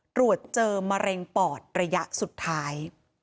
ตรวจเจอมะเร็งปอดระยะสุดท้าย